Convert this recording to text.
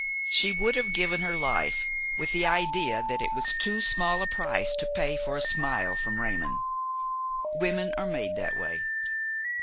She would have given her life, with the idea that it was too small a price to pay for a smile from Raymon. Women are made that way.